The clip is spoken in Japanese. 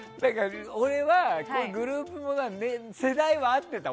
俺は、グループものは世代は合ってた。